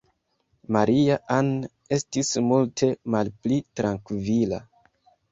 Maria-Ann estis multe malpli trankvila.